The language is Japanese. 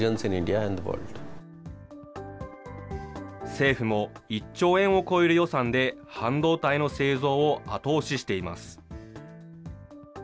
政府も１兆円を超える予算で、半導体の製造を後押ししています。